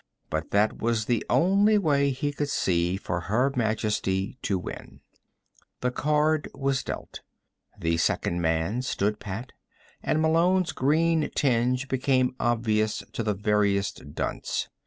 But that was the only way he could see for Her Majesty to win. The card was dealt. The second man stood pat and Malone's green tinge became obvious to the veriest dunce.